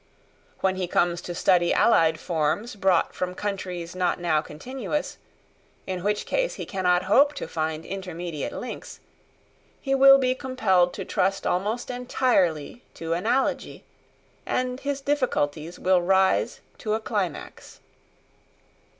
When he comes to study allied forms brought from countries not now continuous, in which case he cannot hope to find intermediate links, he will be compelled to trust almost entirely to analogy, and his difficulties will rise to a climax.